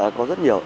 dạ có rất nhiều